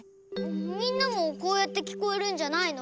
みんなもこうやってきこえるんじゃないの？